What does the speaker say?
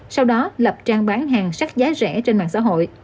sau đó lập trang bán hàng sách giá rẻ trên mạng xã hội